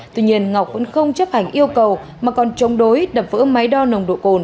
tuy nhiên ngọc vẫn không chấp hành yêu cầu mà còn chống đối đập vỡ máy đo nồng độ cồn